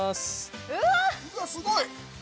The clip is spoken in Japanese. うわすごい！